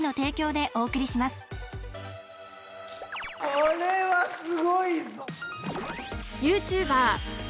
これはすごいぞ！